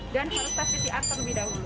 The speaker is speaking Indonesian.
dan harus tes pcr terlebih dahulu